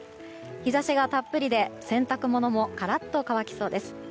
日差しがたっぷりで洗濯物もカラッと乾きそうです。